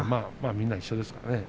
みんな一緒ですからね。